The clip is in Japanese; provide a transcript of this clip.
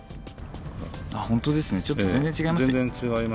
本当ですね、全然違いますよね。